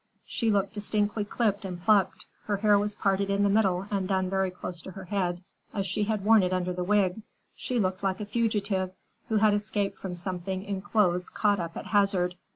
She looked distinctly clipped and plucked. Her hair was parted in the middle and done very close to her head, as she had worn it under the wig. She looked like a fugitive, who had escaped from something in clothes caught up at hazard.